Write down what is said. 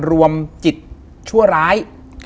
รวมจิตชั่วร้าย